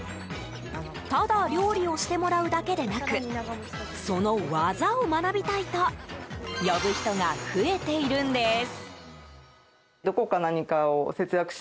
ただ料理をしてもらうだけでなくその技を学びたいと呼ぶ人が増えているんです。